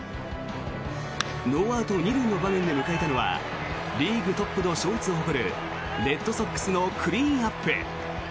ノーアウト２塁の場面で迎えたのはリーグトップの勝率を誇るレッドソックスのクリーンアップ。